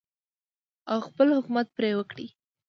او خپل حکومت پرې وکړي.